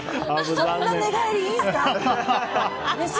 そんな寝返りいいんですか。